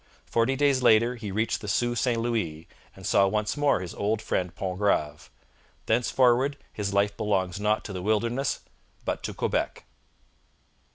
Forty days later he reached the Sault St Louis, and saw once more his old friend Pontgrave. Thenceforward his life belongs not to the wilderness, but to Quebec.